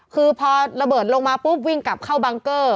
คือพอระเบิดลงมาปุ๊บวิ่งกลับเข้าบังเกอร์